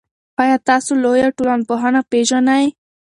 آیا تاسو لویه ټولنپوهنه پېژنئ؟